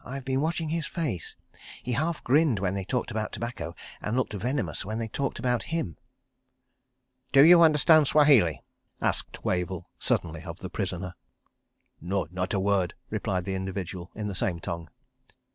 "I have been watching his face. He half grinned when they talked about tobacco, and looked venomous when they talked about him." "Do you understand Swahili?" asked Wavell, suddenly, of the prisoner. "No, not a word," replied that individual in the same tongue.